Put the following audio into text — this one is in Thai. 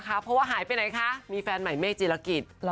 เพราะว่าหายไปไหนคะมีแฟนใหม่เมฆจีรกิจ